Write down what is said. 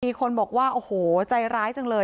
มีคนบอกว่าโอ้โหใจร้ายจังเลย